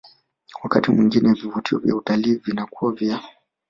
Wakati mwingine vivutio vya utalii vinakuwa vya